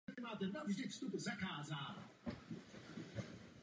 Po ovládnutí Osmany se stala centrem pro východní a střední Řecko.